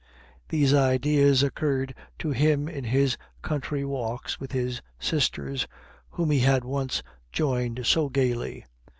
These ideas occurred to him in his country walks with his sisters, whom he had once joined so gaily.